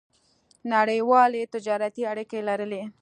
نړیوالې تجارتي اړیکې لرلې.